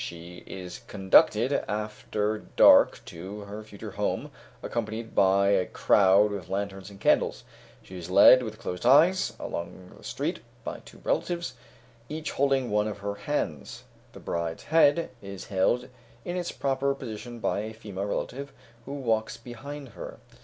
She is conducted after dark to her future home, accompanied by a crowd with lanterns and candles. She is led with closed eyes along the street by two relatives, each holding one of her hands. The bride's head is held in its proper position by a female relative, who walks behind her.